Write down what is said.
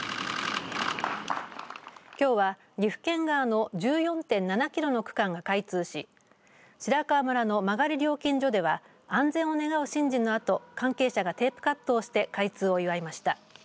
きょうは、岐阜県側の１４．７キロの区間が開通し白川村の馬狩料金所では安全を願う神事のあと関係者がテープカットをして開通を祝いました。